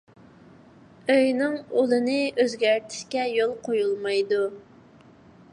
ئۆينىڭ ئۇلىنى ئۆزگەرتىشكە يول قويۇلمايدۇ.